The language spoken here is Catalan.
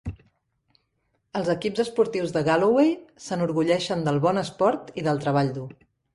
Els equips esportius de Galloway s'enorgulleixen del bon esport i del treball dur.